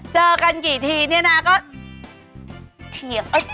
เจอกันกี่ทีเนี่ยนะก็เถียง